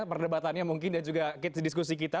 perdebatannya mungkin dan juga diskusi kita